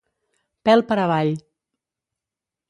Pèl per avall.